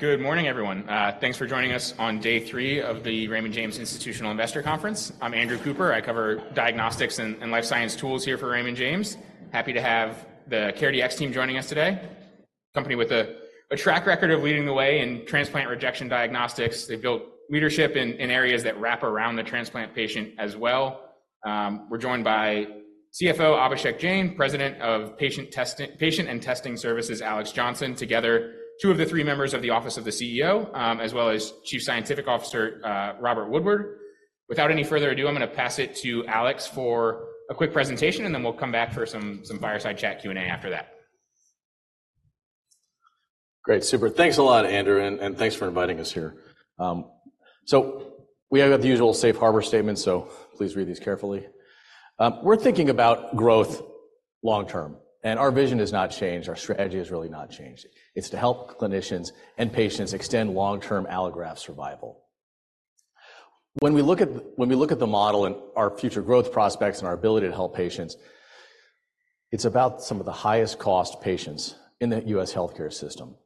Good morning, everyone. Thanks for joining us on day three of the Raymond James Institutional Investor Conference. I'm Andrew Cooper. I cover diagnostics and life science tools here for Raymond James. Happy to have the CareDx team joining us today. A company with a track record of leading the way in transplant rejection diagnostics. They've built leadership in areas that wrap around the transplant patient as well. We're joined by CFO Abhishek Jain, President of Patient and Testing Services Alex Johnson. Together, two of the three members of the Office of the CEO, as well as Chief Scientific Officer Robert Woodward. Without any further ado, I'm gonna pass it to Alex for a quick presentation, and then we'll come back for some fireside chat Q&A after that. Great. Super. Thanks a lot, Andrew, and thanks for inviting us here. So we have the usual safe harbor statement, so please read these carefully. We're thinking about growth long term, and our vision has not changed. Our strategy has really not changed. It's to help clinicians and patients extend long-term allograft survival. When we look at the model and our future growth prospects and our ability to help patients, it's about some of the highest cost patients in the U.S. healthcare system.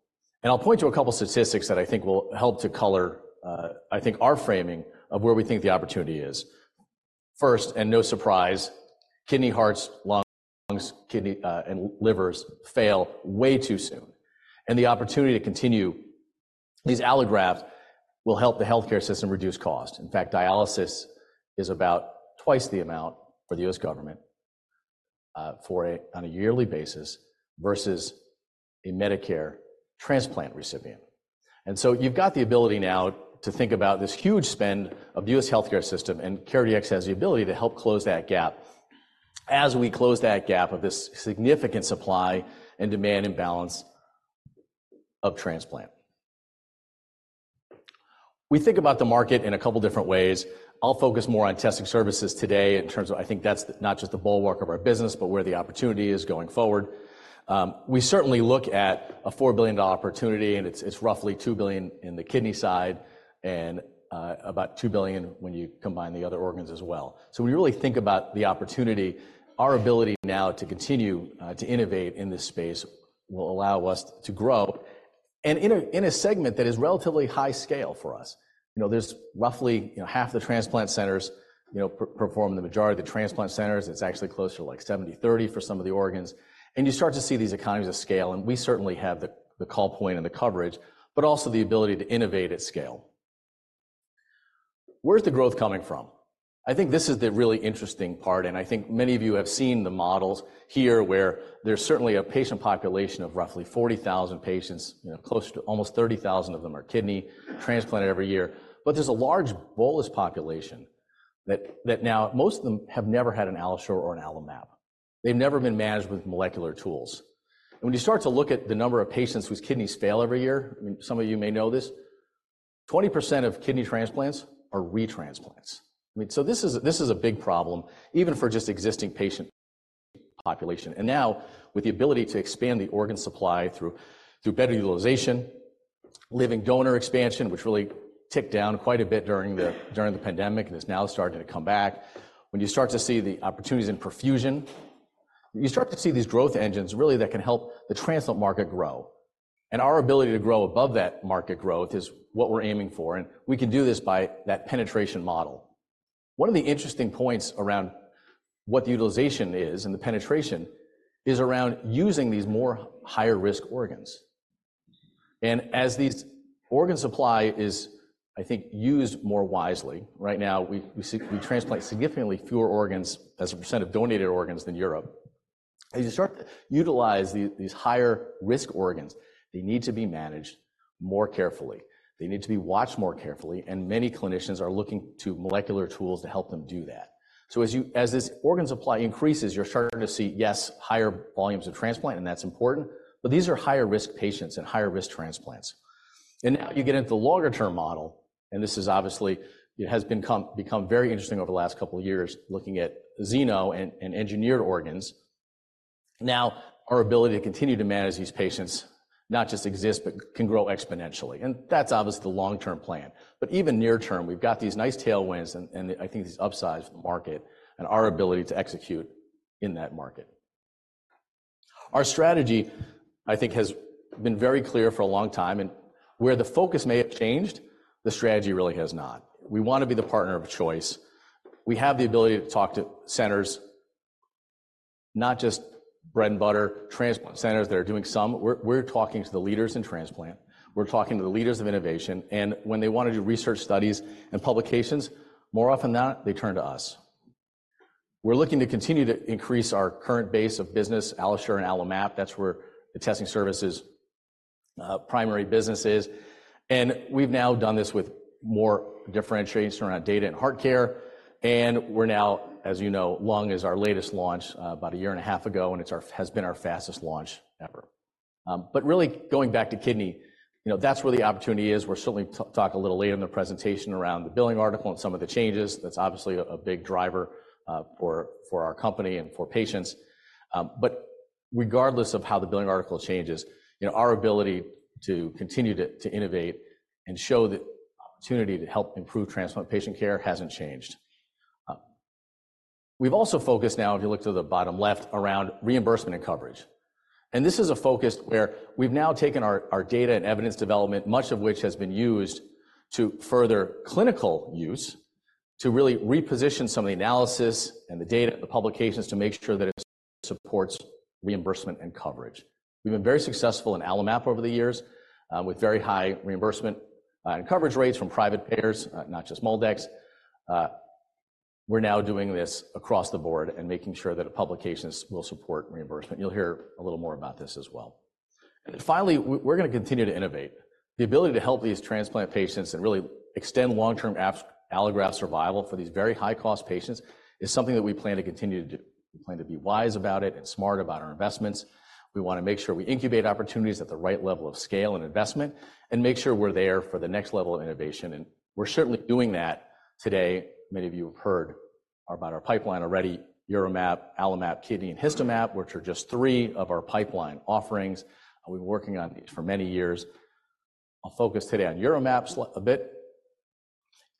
And I'll point to a couple statistics that I think will help to color, I think, our framing of where we think the opportunity is. First, and no surprise, kidney, hearts, lungs, kidney, and livers fail way too soon, and the opportunity to continue these allografts will help the healthcare system reduce cost. In fact, dialysis is about twice the amount for the U.S. government, on a yearly basis versus a Medicare transplant recipient. So you've got the ability now to think about this huge spend of the U.S. healthcare system, and CareDx has the ability to help close that gap as we close that gap of this significant supply and demand imbalance of transplant. We think about the market in a couple different ways. I'll focus more on testing services today in terms of... I think that's not just the bulwark of our business, but where the opportunity is going forward. We certainly look at a $4 billion opportunity, and it's roughly $2 billion in the kidney side and, about $2 billion when you combine the other organs as well. So when you really think about the opportunity, our ability now to continue to innovate in this space will allow us to grow, and in a segment that is relatively high scale for us. You know, there's roughly half the transplant centers perform the majority of the transplants. It's actually closer to, like, 70/30 for some of the organs, and you start to see these economies of scale, and we certainly have the call point and the coverage, but also the ability to innovate at scale. Where's the growth coming from? I think this is the really interesting part, and I think many of you have seen the models here, where there's certainly a patient population of roughly 40,000 patients. You know, close to almost 30,000 of them are kidney transplanted every year. But there's a large bolus population that now most of them have never had an AlloSure or an AlloMap. They've never been managed with molecular tools. And when you start to look at the number of patients whose kidneys fail every year, some of you may know this, 20% of kidney transplants are retransplants. I mean, so this is a big problem even for just existing patient population. And now, with the ability to expand the organ supply through better utilization, living donor expansion, which really ticked down quite a bit during the pandemic and is now starting to come back. When you start to see the opportunities in perfusion, you start to see these growth engines, really, that can help the transplant market grow, and our ability to grow above that market growth is what we're aiming for, and we can do this by that penetration model. One of the interesting points around what the utilization is and the penetration is around using these more higher-risk organs. As these organ supply is, I think, used more wisely, right now, we see we transplant significantly fewer organs as a percent of donated organs than Europe. As you start to utilize these higher-risk organs, they need to be managed more carefully. They need to be watched more carefully, and many clinicians are looking to molecular tools to help them do that. So as this organ supply increases, you're starting to see, yes, higher volumes of transplant, and that's important, but these are higher-risk patients and higher-risk transplants. And now you get into the longer-term model, and this is obviously... It has become very interesting over the last couple of years, looking at xeno and engineered organs. Now, our ability to continue to manage these patients not just exist, but can grow exponentially, and that's obviously the long-term plan. But even near term, we've got these nice tailwinds and I think these upsides for the market and our ability to execute in that market. Our strategy, I think, has been very clear for a long time, and where the focus may have changed, the strategy really has not. We want to be the partner of choice. We have the ability to talk to centers, not just bread-and-butter transplant centers that are doing some. We're talking to the leaders in transplant. We're talking to the leaders of innovation, and when they want to do research, studies, and publications, more often than not, they turn to us. We're looking to continue to increase our current base of business, AlloSure and AlloMap. That's where the testing services primary business is, and we've now done this with more differentiation around data and heart care, and we're now, as you know, lung is our latest launch about a year and a half ago, and it's our has been our fastest launch ever. But really going back to kidney, you know, that's where the opportunity is. We'll certainly talk a little later in the presentation around the billing article and some of the changes. That's obviously a big driver for our company and for patients. But regardless of how the billing article changes, you know, our ability to continue to innovate and show the opportunity to help improve transplant patient care hasn't changed. We've also focused now, if you look to the bottom left, around reimbursement and coverage. And this is a focus where we've now taken our data and evidence development, much of which has been used to further clinical use, to really reposition some of the analysis and the data, the publications, to make sure that it supports reimbursement and coverage. We've been very successful in AlloMap over the years with very high reimbursement and coverage rates from private payers, not just MolDX. We're now doing this across the board and making sure that the publications will support reimbursement. You'll hear a little more about this as well. And finally, we're gonna continue to innovate. The ability to help these transplant patients and really extend long-term allograft survival for these very high-cost patients is something that we plan to continue to do. We plan to be wise about it and smart about our investments. We wanna make sure we incubate opportunities at the right level of scale and investment, and make sure we're there for the next level of innovation, and we're certainly doing that today. Many of you have heard about our pipeline already, UroMap, AlloMap Kidney, and HistoMap, which are just three of our pipeline offerings, and we've been working on these for many years. I'll focus today on UroMap a bit.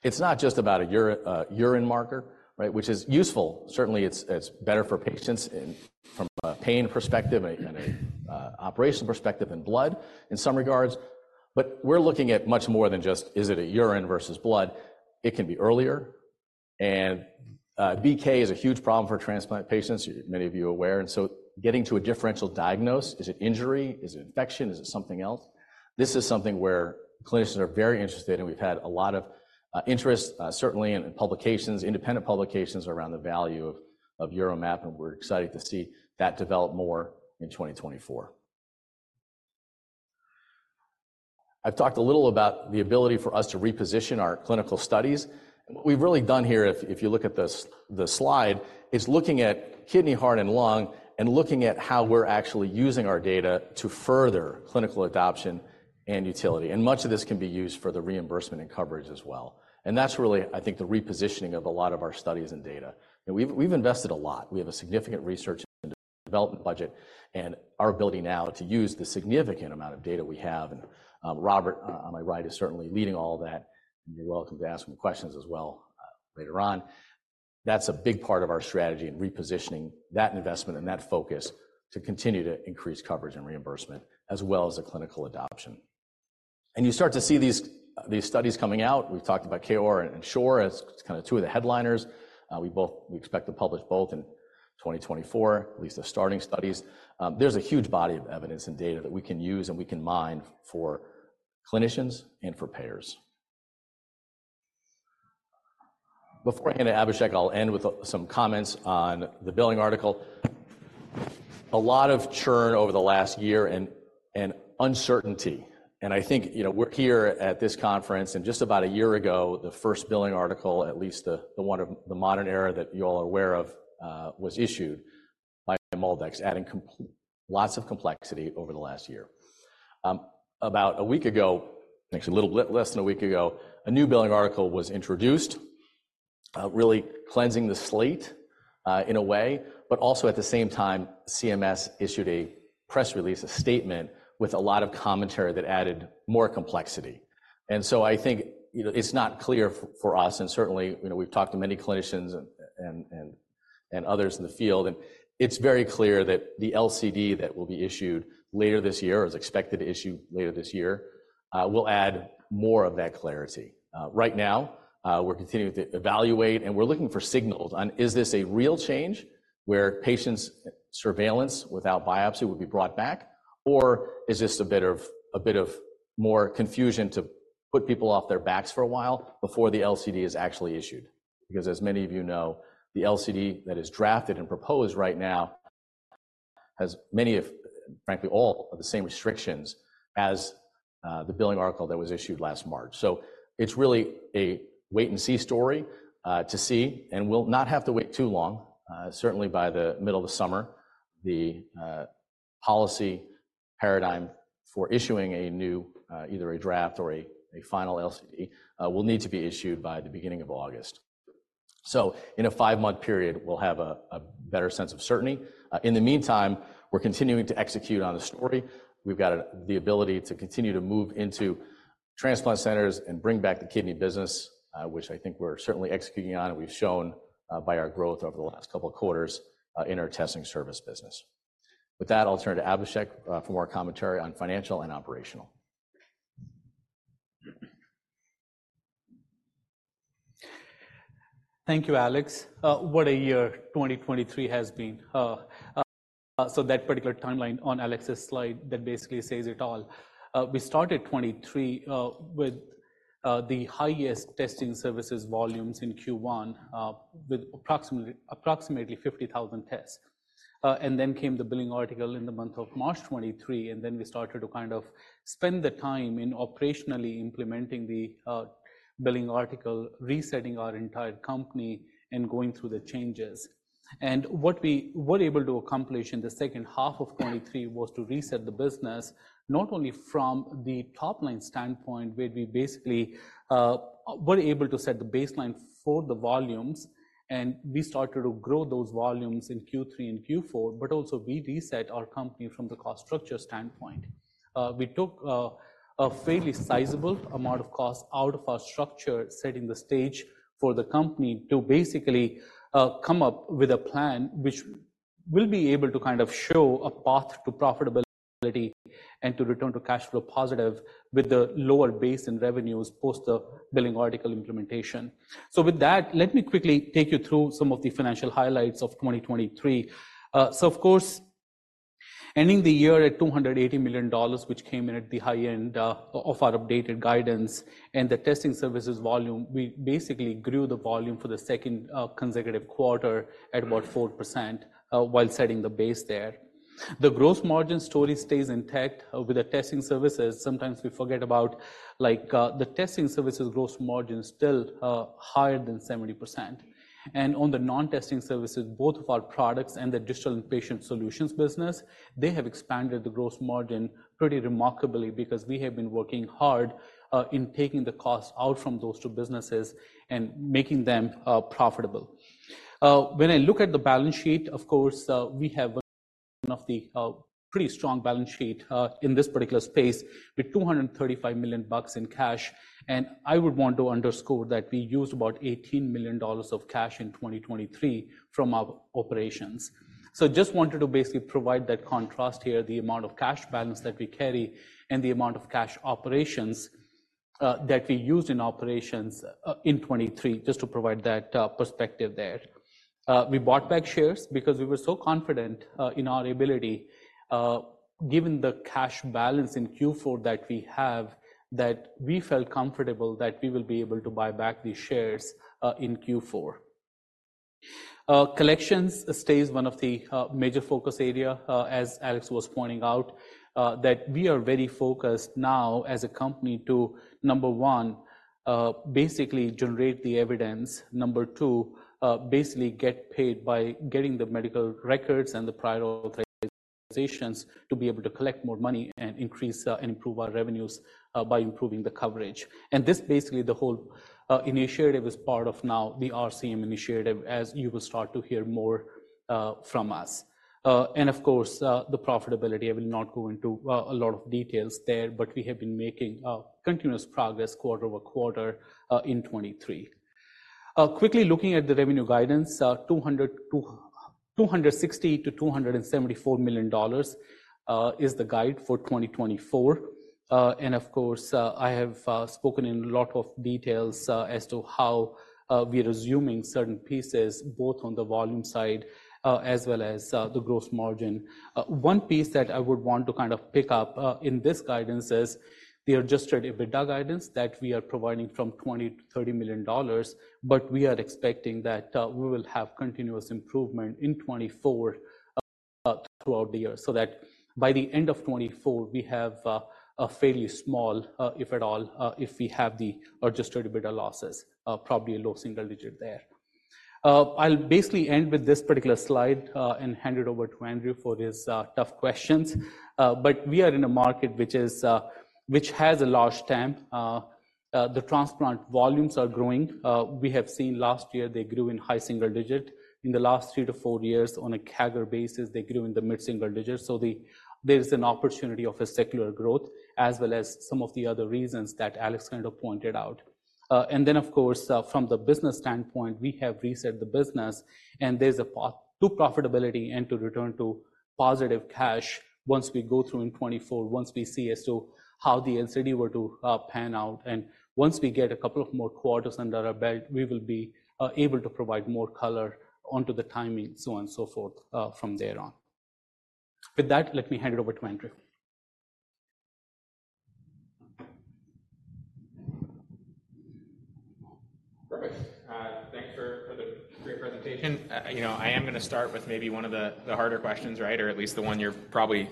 It's not just about a urine marker, right, which is useful. Certainly, it's better for patients from a pain perspective and an operational perspective than blood, in some regards. But we're looking at much more than just, is it a urine versus blood? It can be earlier, and BK is a huge problem for transplant patients, many of you are aware, and so getting to a differential diagnosis, is it injury? Is it infection? Is it something else? This is something where clinicians are very interested in. We've had a lot of interest, certainly in publications, independent publications around the value of UroMap, and we're excited to see that develop more in 2024. I've talked a little about the ability for us to reposition our clinical studies, and what we've really done here, if you look at the slide, is looking at kidney, heart, and lung, and looking at how we're actually using our data to further clinical adoption and utility. Much of this can be used for the reimbursement and coverage as well. That's really, I think, the repositioning of a lot of our studies and data, and we've invested a lot. We have a significant research and development budget, and our ability now to use the significant amount of data we have, and Robert on my right is certainly leading all that. You're welcome to ask him questions as well later on. That's a big part of our strategy in repositioning that investment and that focus to continue to increase coverage and reimbursement, as well as the clinical adoption. And you start to see these studies coming out. We've talked about KOAR and SHORE as kind of two of the headliners. We expect to publish both in 2024, at least the starting studies. There's a huge body of evidence and data that we can use, and we can mine for clinicians and for payers. Before I hand it to Abhishek, I'll end with some comments on the billing article. A lot of churn over the last year and uncertainty, and I think, you know, we're here at this conference, and just about a year ago, the first billing article, at least the one of the modern era that you all are aware of, was issued by MolDX, adding lots of complexity over the last year. About a week ago, actually, a little bit less than a week ago, a new billing article was introduced, really cleansing the slate, in a way, but also at the same time, CMS issued a press release, a statement with a lot of commentary that added more complexity. I think, you know, it's not clear for us, and certainly, you know, we've talked to many clinicians and others in the field, and it's very clear that the LCD that will be issued later this year, or is expected to issue later this year, will add more of that clarity. Right now, we're continuing to evaluate, and we're looking for signals on, is this a real change, where patients' surveillance without biopsy would be brought back, or is this a bit more confusion to put people off their backs for a while before the LCD is actually issued? Because as many of you know, the LCD that is drafted and proposed right now has many of, frankly, all of the same restrictions as the billing article that was issued last March. So it's really a wait and see story, to see, and we'll not have to wait too long, certainly by the middle of the summer. The policy paradigm for issuing a new, either a draft or a final LCD, will need to be issued by the beginning of August. So in a five-month period, we'll have a better sense of certainty. In the meantime, we're continuing to execute on the story. We've got the ability to continue to move into transplant centers and bring back the kidney business, which I think we're certainly executing on. We've shown by our growth over the last couple of quarters in our testing service business. With that, I'll turn to Abhishek for more commentary on financial and operational. Thank you, Alex. What a year 2023 has been. So that particular timeline on Alex's slide, that basically says it all. We started 2023 with the highest testing services volumes in Q1 with approximately 50,000 tests. And then came the billing article in the month of March 2023, and then we started to kind of spend the time in operationally implementing the billing article, resetting our entire company, and going through the changes. And what we were able to accomplish in the second half of 2023 was to reset the business, not only from the top-line standpoint, where we basically were able to set the baseline for the volumes, and we started to grow those volumes in Q3 and Q4, but also we reset our company from the cost structure standpoint. We took a fairly sizable amount of cost out of our structure, setting the stage for the company to basically come up with a plan which we'll be able to kind of show a path to profitability and to return to cash flow positive with the lower base in revenues post the billing article implementation. So with that, let me quickly take you through some of the financial highlights of 2023. So of course, ending the year at $280 million, which came in at the high end of our updated guidance and the testing services volume, we basically grew the volume for the second consecutive quarter at about 4%, while setting the base there. The gross margin story stays intact with the testing services. Sometimes we forget about, like, the testing services gross margin is still higher than 70%. And on the non-testing services, both of our products and the digital and patient solutions business, they have expanded the gross margin pretty remarkably because we have been working hard in taking the costs out from those two businesses and making them profitable. When I look at the balance sheet, of course, we have one of the pretty strong balance sheet in this particular space with $235 million in cash, and I would want to underscore that we used about $18 million of cash in 2023 from our operations. So just wanted to basically provide that contrast here, the amount of cash balance that we carry and the amount of cash operations that we used in operations in 2023, just to provide that perspective there. We bought back shares because we were so confident in our ability, given the cash balance in Q4 that we have, that we felt comfortable that we will be able to buy back these shares in Q4. Collections stays one of the major focus area, as Alex was pointing out, that we are very focused now as a company to, number one, basically generate the evidence. Number two, basically get paid by getting the medical records and the prior authorizations to be able to collect more money and increase and improve our revenues by improving the coverage. This, basically, the whole initiative is part of now the RCM initiative, as you will start to hear more from us. And of course, the profitability, I will not go into a lot of details there, but we have been making continuous progress quarter-over-quarter in 2023. Quickly looking at the revenue guidance, $200 million to $260 million to $274 million is the guide for 2024. And of course, I have spoken in a lot of details as to how we are resuming certain pieces, both on the volume side, as well as the gross margin. One piece that I would want to kind of pick up in this guidance is the Adjusted EBITDA guidance that we are providing from $20 million-$30 million, but we are expecting that we will have continuous improvement in 2024 throughout the year, so that by the end of 2024, we have a fairly small, if at all, if we have the Adjusted EBITDA losses, probably a low single digit there. I'll basically end with this particular slide and hand it over to Andrew for his tough questions. But we are in a market which is which has a large stamp. The transplant volumes are growing. We have seen last year, they grew in high single digit. In the last three-four years on a CAGR basis, they grew in the mid single digit. So there is an opportunity of a secular growth, as well as some of the other reasons that Alex kind of pointed out. And then, of course, from the business standpoint, we have reset the business, and there's a path to profitability and to return to positive cash once we go through in 2024, once we see as to how the LCD were to pan out. And once we get a couple of more quarters under our belt, we will be able to provide more color onto the timing, so on and so forth, from there on. With that, let me hand it over to Andrew. Perfect. Thanks for the great presentation. You know, I am gonna start with maybe one of the harder questions, right? Or at least the one you're probably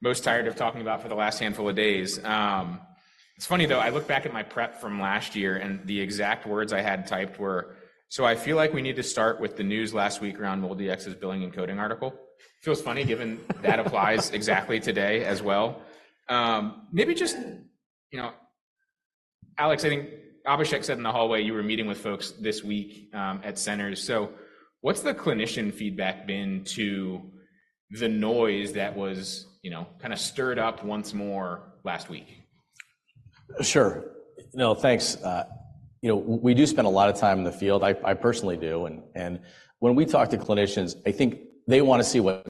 most tired of talking about for the last handful of days. It's funny, though, I look back at my prep from last year, and the exact words I had typed were: "So I feel like we need to start with the news last week around MolDX's billing and coding article." Feels funny, given that applies exactly today as well. Maybe just, you know, Alex, I think Abhishek said in the hallway, you were meeting with folks this week at centers. So what's the clinician feedback been to the noise that was, you know, kind of stirred up once more last week? Sure. No, thanks. You know, we do spend a lot of time in the field. I personally do, and when we talk to clinicians, I think they want to see what's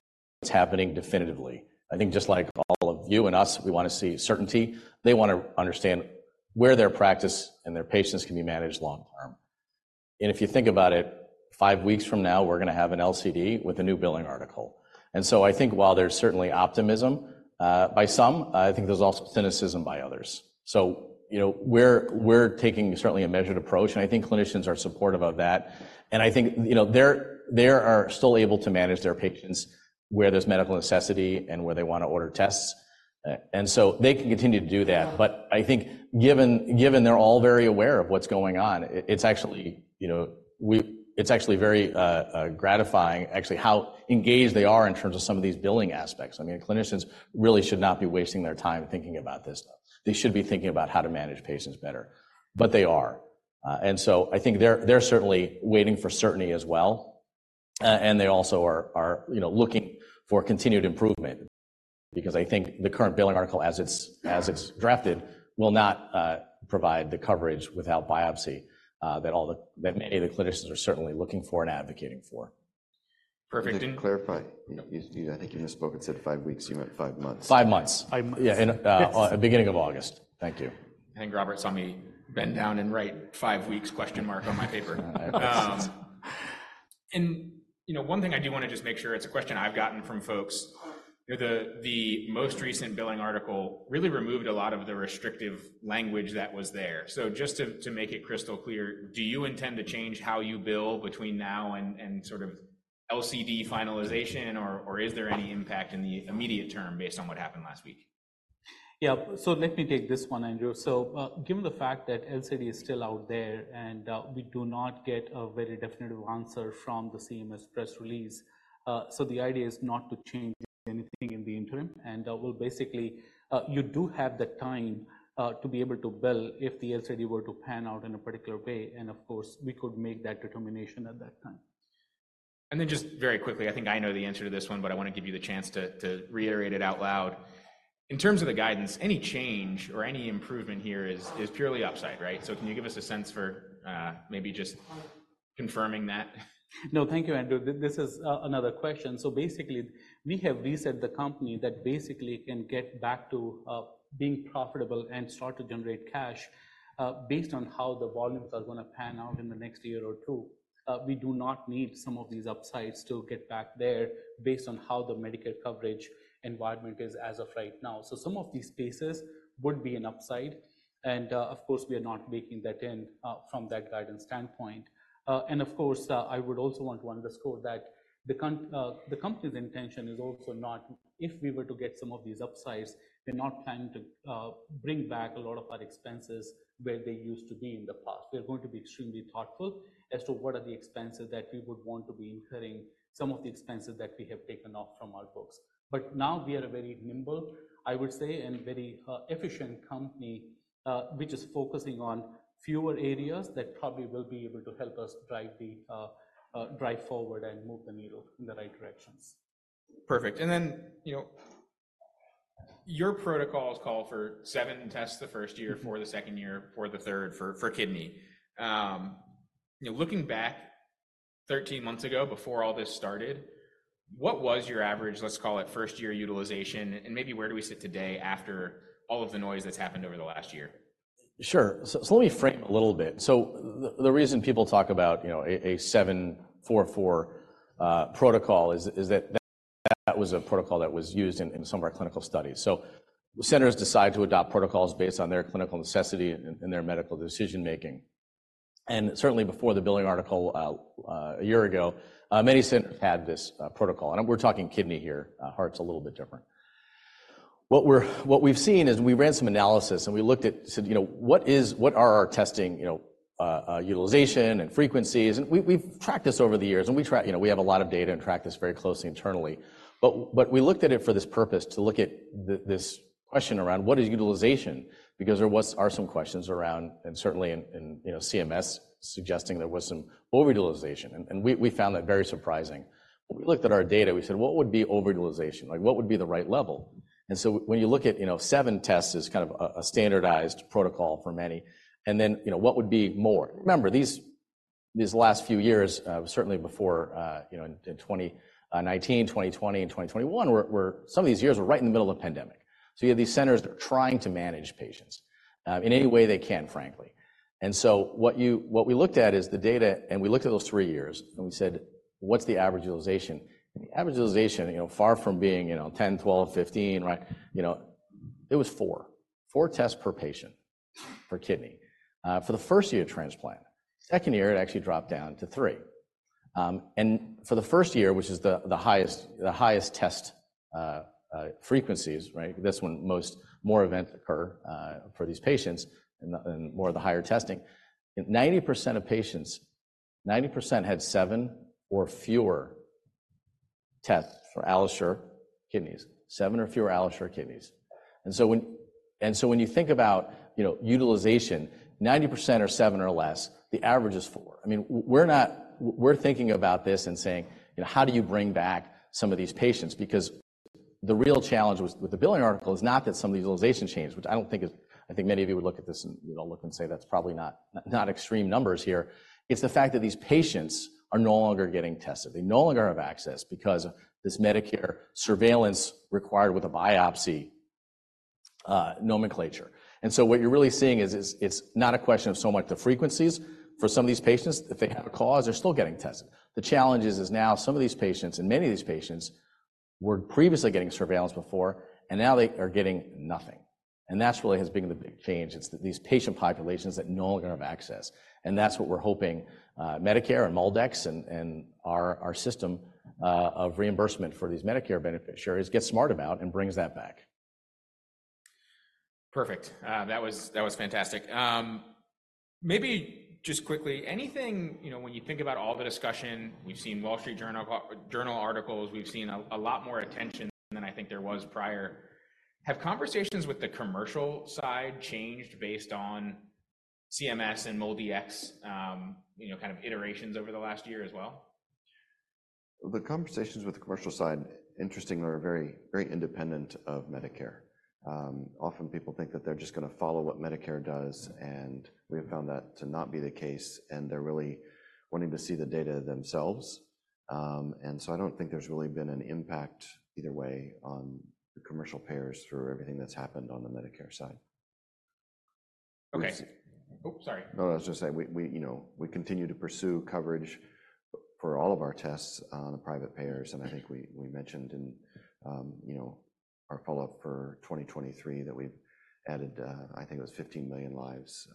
happening definitively. I think just like all of you and us, we want to see certainty. They want to understand where their practice and their patients can be managed long term. And if you think about it, five weeks from now, we're gonna have an LCD with a new billing article. And so I think while there's certainly optimism by some, I think there's also cynicism by others. So, you know, we're taking certainly a measured approach, and I think clinicians are supportive of that. And I think, you know, they're, they are still able to manage their patients where there's medical necessity and where they want to order tests, and so they can continue to do that. But I think given they're all very aware of what's going on, it's actually, you know, it's actually very gratifying, actually, how engaged they are in terms of some of these billing aspects. I mean, clinicians really should not be wasting their time thinking about this. They should be thinking about how to manage patients better, but they are. And so I think they're certainly waiting for certainty as well, and they also are, you know, looking for continued improvement. Because I think the current billing article, as it's drafted, will not provide the coverage without biopsy that many of the clinicians are certainly looking for and advocating for. Perfect, and- Just to clarify, you, I think you misspoke and said 5 weeks. You meant 5 months. Five months. Five months. Yeah, in the beginning of August. Thank you. I think Robert saw me bend down and write five weeks, question mark, on my paper. You know, one thing I do want to just make sure, it's a question I've gotten from folks. You know, the most recent billing article really removed a lot of the restrictive language that was there. So just to make it crystal clear, do you intend to change how you bill between now and sort of LCD finalization, or is there any impact in the immediate term based on what happened last week? Yeah. So let me take this one, Andrew. So, given the fact that LCD is still out there, and we do not get a very definitive answer from the CMS press release, so the idea is not to change anything in the interim. And we'll basically, you do have the time to be able to bill if the LCD were to pan out in a particular way, and of course, we could make that determination at that time. Then just very quickly, I think I know the answer to this one, but I want to give you the chance to, to reiterate it out loud. In terms of the guidance, any change or any improvement here is, is purely upside, right? So can you give us a sense for, maybe just confirming that? No, thank you, Andrew. This is another question. So basically, we have reset the company that basically can get back to being profitable and start to generate cash based on how the volumes are gonna pan out in the next year or two. We do not need some of these upsides to get back there based on how the Medicare coverage environment is as of right now. So some of these spaces would be an upside, and of course, we are not baking that in from that guidance standpoint. And of course, I would also want to underscore that the company's intention is also not... If we were to get some of these upsides, we're not planning to bring back a lot of our expenses where they used to be in the past. We are going to be extremely thoughtful as to what are the expenses that we would want to be incurring, some of the expenses that we have taken off from our books. But now we are a very nimble, I would say, and very, efficient company, which is focusing on fewer areas that probably will be able to help us drive the, drive forward and move the needle in the right directions. Perfect. And then, you know, your protocols call for seven tests the first year, four the second year, four the third for kidney. You know, looking back 13 months ago, before all this started, what was your average, let's call it, first-year utilization, and maybe where do we sit today after all of the noise that's happened over the last year? Sure. So let me frame it a little bit. So the reason people talk about, you know, a 7-4-4 protocol is that that was a protocol that was used in some of our clinical studies. So centers decide to adopt protocols based on their clinical necessity and their medical decision-making. And certainly before the billing article a year ago, many centers had this protocol, and we're talking kidney here. Heart's a little bit different. What we've seen is, we ran some analysis, and we looked at, said, you know, "What are our testing, you know, utilization and frequencies?" And we've tracked this over the years, and we track. You know, we have a lot of data and track this very closely internally. But we looked at it for this purpose, to look at this question around: what is utilization? Because there are some questions around, and certainly in, you know, CMS suggesting there was some overutilization, and we found that very surprising. When we looked at our data, we said, "What would be overutilization? Like, what would be the right level?" And so when you look at, you know, seven tests as kind of a standardized protocol for many, and then, you know, what would be more? Remember, these last few years, certainly before, you know, in 2019, 2020, and 2021, some of these years were right in the middle of the pandemic. So you have these centers that are trying to manage patients, in any way they can, frankly. What we looked at is the data, and we looked at those three years, and we said, "What's the average utilization?" And the average utilization, you know, far from being, you know, 10, 12, 15, right? You know, it was four. Four tests per patient for kidney for the first year of transplant. Second year, it actually dropped down to three. And for the first year, which is the, the highest, the highest test frequencies, right? That's when most more events occur for these patients and, and more of the higher testing. 90% of patients, 90% had seven or fewer tests for AlloSure Kidneys, seven or fewer AlloSure Kidneys. And so when, and so when you think about, you know, utilization, 90% are seven or less, the average is four. I mean, we're not-- we're thinking about this and saying, "You know, how do you bring back some of these patients?" Because the real challenge with the billing article is not that some of the utilization changed, which I don't think is-- I think many of you would look at this and, you know, look and say, "That's probably not, not extreme numbers here." It's the fact that these patients are no longer getting tested. They no longer have access because of this Medicare surveillance required with a biopsy nomenclature. And so what you're really seeing is it's not a question of so much the frequencies for some of these patients. If they have a cause, they're still getting tested. The challenge is now some of these patients, and many of these patients, were previously getting surveillance before, and now they are getting nothing. That's really what has been the big change. It's these patient populations that no longer have access, and that's what we're hoping Medicare and MolDX and our system of reimbursement for these Medicare beneficiaries gets smart about and brings that back. Perfect. That was, that was fantastic. Maybe just quickly, anything, you know, when you think about all the discussion, we've seen Wall Street Journal, journal articles, we've seen a lot more attention than I think there was prior-... Have conversations with the commercial side changed based on CMS and MolDX, you know, kind of iterations over the last year as well? The conversations with the commercial side, interestingly, are very, very independent of Medicare. Often people think that they're just gonna follow what Medicare does, and we have found that to not be the case, and they're really wanting to see the data themselves. And so I don't think there's really been an impact either way on the commercial payers for everything that's happened on the Medicare side. Okay. Oops, sorry. No, I was just saying we, we, you know, we continue to pursue coverage for all of our tests on the private payers, and I think we, we mentioned in, you know, our follow-up for 2023 that we've added, I think it was 15 million lives,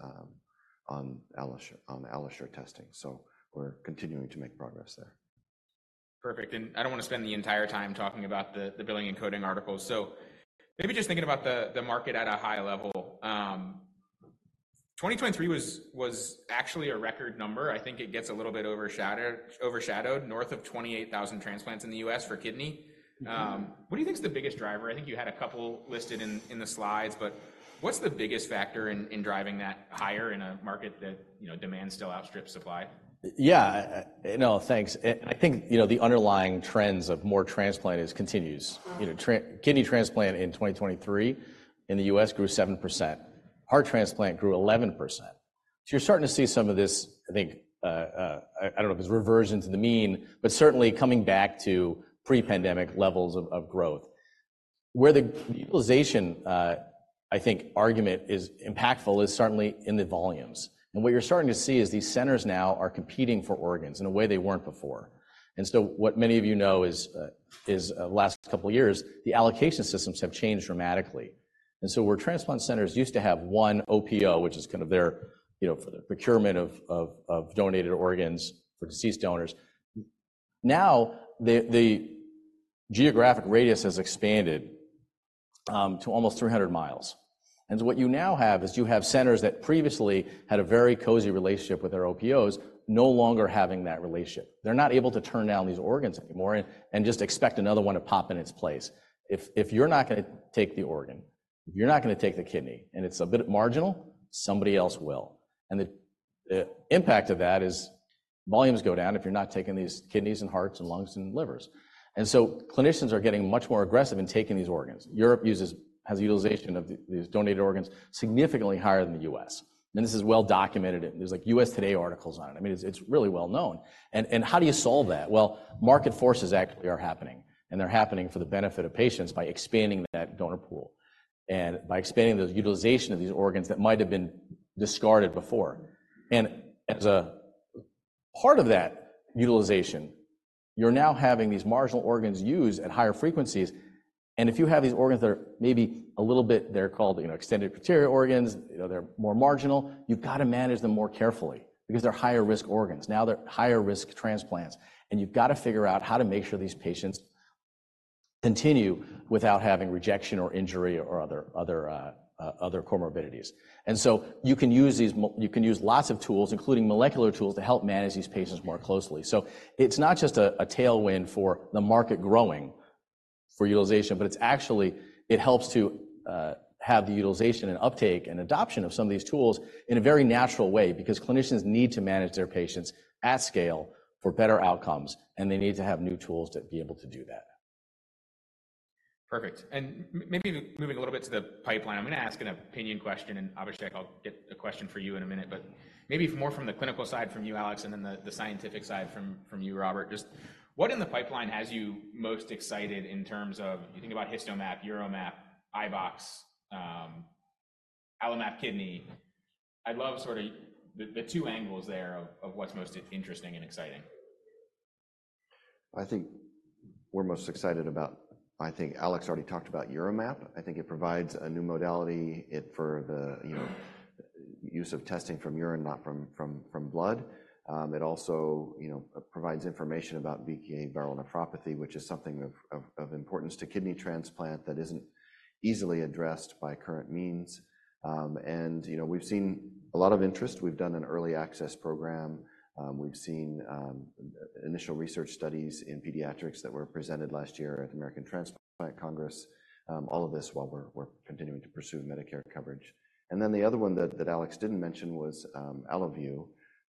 on AlloSure, on AlloSure testing, so we're continuing to make progress there. Perfect, and I don't want to spend the entire time talking about the billing and coding articles. So maybe just thinking about the market at a high level. 2023 was actually a record number. I think it gets a little bit overshadowed, north of 28,000 transplants in the U.S. for kidney. Mm-hmm. What do you think is the biggest driver? I think you had a couple listed in the slides, but what's the biggest factor in driving that higher in a market that, you know, demand still outstrips supply? Yeah, no, thanks. I think, you know, the underlying trends of more transplant is continues. You know, kidney transplant in 2023 in the US grew 7%. Heart transplant grew 11%. So you're starting to see some of this, I think, I don't know if it's reversion to the mean, but certainly coming back to pre-pandemic levels of growth. Where the utilization, I think, argument is impactful is certainly in the volumes. And what you're starting to see is these centers now are competing for organs in a way they weren't before. And so what many of you know is, last couple of years, the allocation systems have changed dramatically. And so where transplant centers used to have one OPO, which is kind of their, you know, for the procurement of donated organs for deceased donors, now the geographic radius has expanded to almost 300 miles. And so what you now have is centers that previously had a very cozy relationship with their OPOs, no longer having that relationship. They're not able to turn down these organs anymore and just expect another one to pop in its place. If you're not gonna take the organ, if you're not gonna take the kidney, and it's a bit marginal, somebody else will. And the impact of that is volumes go down if you're not taking these kidneys and hearts and lungs and livers. And so clinicians are getting much more aggressive in taking these organs. Europe has utilization of these donated organs significantly higher than the US, and this is well documented. There's, like, USA TODAY articles on it. I mean, it's really well known. And how do you solve that? Well, market forces actually are happening, and they're happening for the benefit of patients by expanding that donor pool and by expanding the utilization of these organs that might have been discarded before. And as a part of that utilization, you're now having these marginal organs used at higher frequencies, and if you have these organs that are maybe a little bit... They're called, you know, extended criteria organs, you know, they're more marginal. You've got to manage them more carefully because they're higher-risk organs. Now, they're higher risk transplants, and you've got to figure out how to make sure these patients continue without having rejection or injury or other other comorbidities. And so you can use these you can use lots of tools, including molecular tools, to help manage these patients more closely. So it's not just a tailwind for the market growing for utilization, but it's actually it helps to have the utilization and uptake and adoption of some of these tools in a very natural way because clinicians need to manage their patients at scale for better outcomes, and they need to have new tools to be able to do that. Perfect, and maybe moving a little bit to the pipeline. I'm gonna ask an opinion question, and Abhishek, I'll get a question for you in a minute, but maybe more from the clinical side from you, Alex, and then the scientific side from you, Robert. Just what in the pipeline has you most excited in terms of... You think about HistoMap, UroMap, iBox, AlloMap Kidney. I'd love sort of the two angles there of what's most interesting and exciting. I think we're most excited about—I think Alex already talked about UroMap. I think it provides a new modality for the, you know, use of testing from urine, not from blood. It also, you know, provides information about BK viral nephropathy, which is something of importance to kidney transplant that isn't easily addressed by current means. And, you know, we've seen a lot of interest. We've done an early access program. We've seen initial research studies in pediatrics that were presented last year at American Transplant Congress. All of this while we're continuing to pursue Medicare coverage. And then the other one that Alex didn't mention was AlloView,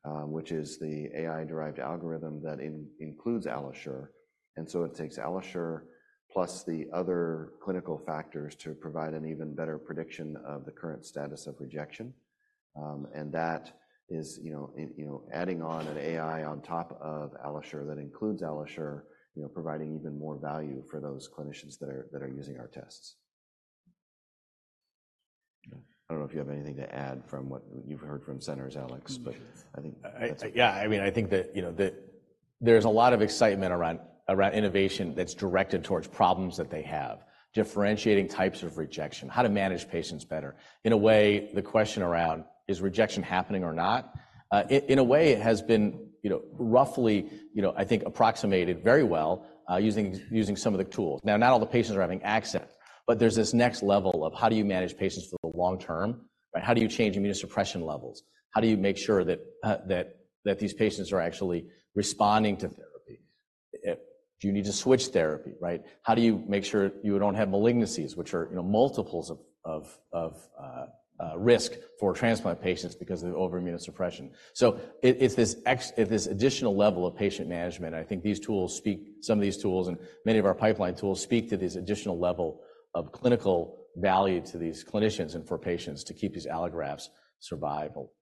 which is the AI-derived algorithm that includes AlloSure, and so it takes AlloSure, plus the other clinical factors to provide an even better prediction of the current status of rejection. And that is, you know, it, you know, adding on an AI on top of AlloSure, that includes AlloSure, you know, providing even more value for those clinicians that are using our tests. I don't know if you have anything to add from what you've heard from centers, Alex, but I think- Yeah, I mean, I think that, you know, that there's a lot of excitement around innovation that's directed towards problems that they have, differentiating types of rejection, how to manage patients better. In a way, the question around: Is rejection happening or not? In a way, it has been, you know, roughly, you know, I think, approximated very well, using some of the tools. Now, not all the patients are having access, but there's this next level of: How do you manage patients for the long term, right? How do you change immunosuppression levels? How do you make sure that, that these patients are actually responding to therapy? Do you need to switch therapy, right? How do you make sure you don't have malignancies, which are, you know, multiples of risk for transplant patients because of over immunosuppression? So it's this additional level of patient management. I think these tools speak some of these tools and many of our pipeline tools speak to this additional level of clinical value to these clinicians and for patients to keep these allografts survival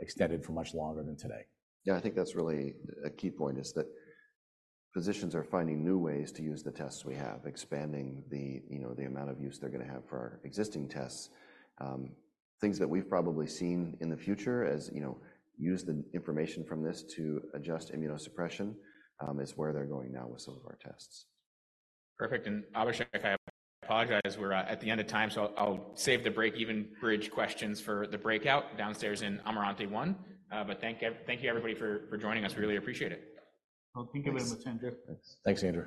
extended for much longer than today. Yeah, I think that's really a key point, is that physicians are finding new ways to use the tests we have, expanding the, you know, the amount of use they're gonna have for our existing tests. Things that we've probably seen in the future, as you know, use the information from this to adjust immunosuppression, is where they're going now with some of our tests. Perfect, and Abhishek, I apologize. We're at the end of time, so I'll save the break-even bridge questions for the breakout downstairs in Amarante One. But thank you, everybody, for joining us. We really appreciate it. Well, thank you very much, Andrew. Thanks, Andrew.